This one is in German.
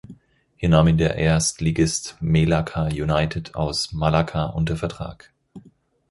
Hier nahm ihn der Erstligist Melaka United aus Malakka unter Vertrag.